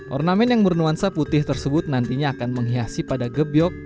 ornamen yang bernuansa putih tersebut nantinya akan menghiasi pada gebyok